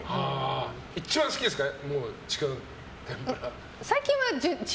一番好きですか？